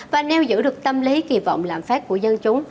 và nêu giữ được tâm lý kỳ vọng lãm phát của dân chúng